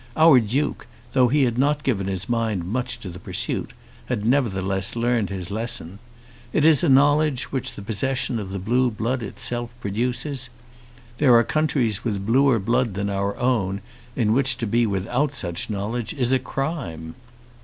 Our Duke, though he had not given his mind much to the pursuit, had nevertheless learned his lesson. It is a knowledge which the possession of the blue blood itself produces. There are countries with bluer blood than our own in which to be without such knowledge is a crime.